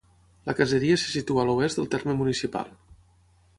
La caseria se situa a l'oest del terme municipal.